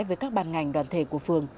với các bàn ngành đoàn thể của phường